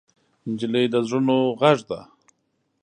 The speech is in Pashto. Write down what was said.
نجلۍ د زړونو غږ ده.